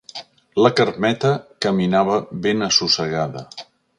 La Carmeta caminava ben assossegada.